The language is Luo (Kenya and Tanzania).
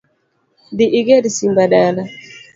Dhi iger simba dala